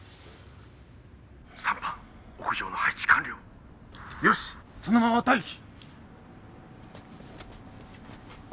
「三班屋上の配置完了」「よしそのまま待機」